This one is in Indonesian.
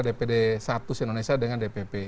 dpd satu se indonesia dengan dpp